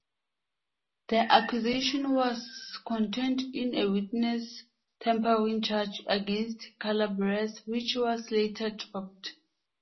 The accusation was contained in a witness-tampering charge against Calabrese, which was later dropped.